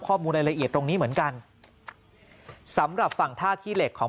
ข้อมูลรายละเอียดตรงนี้เหมือนกันสำหรับฝั่งท่าขี้เหล็กของ